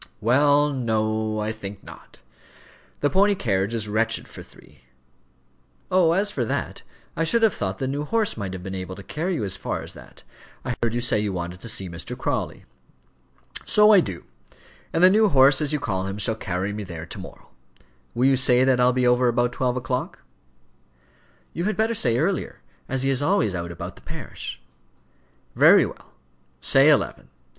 "Well, no; I think not. The pony carriage is wretched for three." "Oh, as for that, I should have thought the new horse might have been able to carry you as far as that. I heard you say you wanted to see Mr. Crawley." "So I do; and the new horse, as you call him, shall carry me there to morrow. Will you say that I'll be over about twelve o'clock?" "You had better say earlier, as he is always out about the parish." "Very well, say eleven.